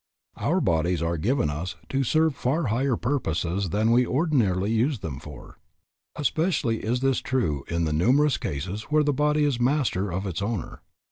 Our bodies are given us to serve far higher purposes than we ordinarily use them for. Especially is this true in the numerous cases where the body is master of its owner.